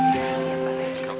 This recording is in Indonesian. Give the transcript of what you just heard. ya siap pak rejo